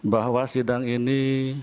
bahwa sidang ini